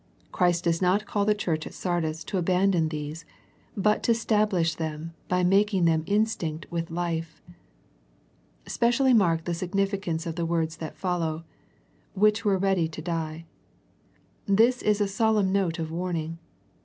Christ does not call the church at Sardis to abandon these, but to stablish them by making them instinct with life. Specially mark the significance of the words that follow, " which were ready to die." This is a solemn note of warning.